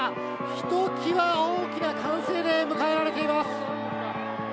ひときわ大きな歓声で迎えられています。